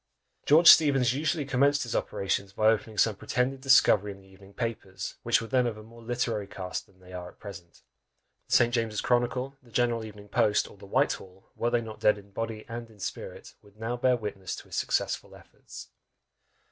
George Steevens usually commenced his operations by opening some pretended discovery in the evening papers, which were then of a more literary cast than they are at present; the St. James's Chronicle, the General Evening Post, or the Whitehall, were they not dead in body and in spirit, would now bear witness to his successful efforts.